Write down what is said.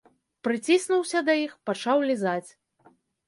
Прыціснуўся да іх, пачаў лізаць.